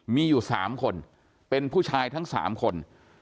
มีอยู่๓คนเป็นผู้ชายทั้ง๓คน